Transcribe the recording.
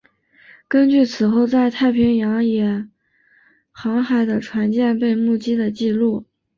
根据此后在北太平洋也航海的船舰被目击的记录。